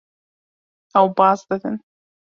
Ew baz didin.